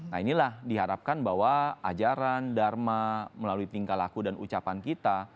nah inilah diharapkan bahwa ajaran dharma melalui tingkah laku dan ucapan kita